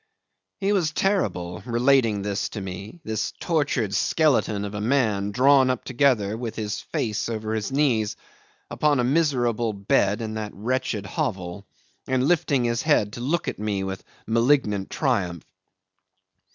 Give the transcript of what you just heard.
'" 'He was terrible relating this to me this tortured skeleton of a man drawn up together with his face over his knees, upon a miserable bed in that wretched hovel, and lifting his head to look at me with malignant triumph.